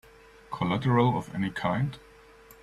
Collateral of any kind?